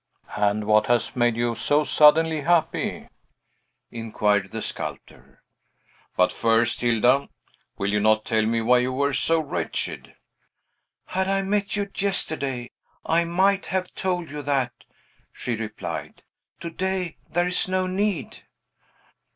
"And what has made you so suddenly happy?" inquired the sculptor. "But first, Hilda, will you not tell me why you were so wretched?" "Had I met you yesterday, I might have told you that," she replied. "To day, there is no need."